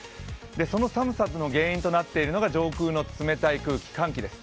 その寒さの原因となっているのが上空の冷たい空気、寒気です。